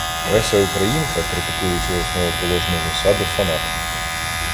Леся Українка, критикуючи основоположну засаду фанатиків: